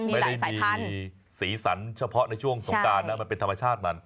ไม่ได้มีสีสันเฉพาะในช่วงสงการนะมันเป็นธรรมชาติมัน